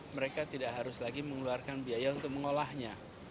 mereka tidak harus lagi mengeluarkan biaya untuk mengolahnya